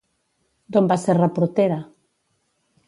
D'on va ser reportera?